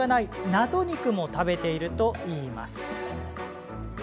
ナゾ肉も食べているといいます。